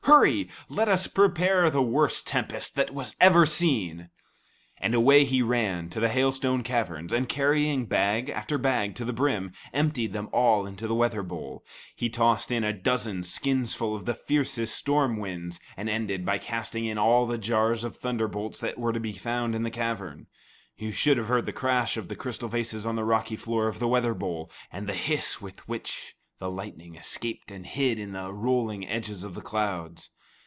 Hurry, let us prepare the worst tempest that ever was seen." And away he ran to the hail stone caverns, and carrying bag after bag to the brim, emptied them all into the weather bowl; he then tossed in a dozen skinsful of the fiercest storm winds, and ended by casting in all the jars of thunderbolts that were to be found in the cavern. You should have heard the crash of the crystal vases on the rocky floor of the weather bowl, and the hiss with which the lightning escaped and hid in the rolling edges of the clouds.